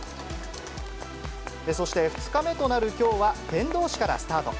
そして、２日目となるきょうは、天童市からスタート。